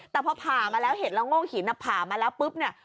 แต่พอผ่ามาแล้วเห็นแล้วโง่หินผ่ามาแล้วปุ๊บเนี่ย